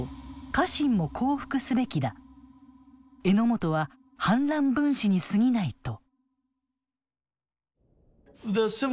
榎本は反乱分子にすぎないと。